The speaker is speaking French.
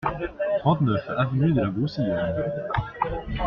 trente-neuf avenue de la Broussillonne